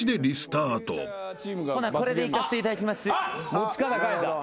持ち方変えた。